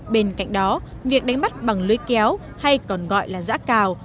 bên cạnh đó việc đánh bắt bằng lưới kéo hay còn gọi là giã cào